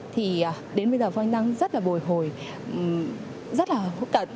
thì đến bây giờ anh đang rất là bồi hồi rất là khó khăn